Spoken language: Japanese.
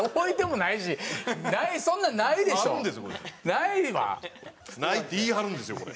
「ない」って言い張るんですよこれ。